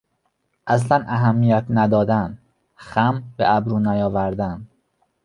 اصلا اهمیت ندادن، خم به ابرو نیاوردن